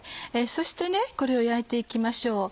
そしてこれを焼いて行きましょう。